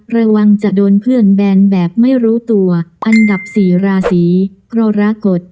ระวังจะโดนเพื่อนแบนแบบไม่รู้ตัวอันดับ๔ราศีกรกฎ